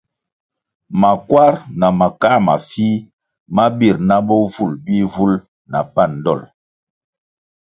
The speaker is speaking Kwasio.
Makwar na makā mafih ma bir na bovulʼ bihvul na pan dol.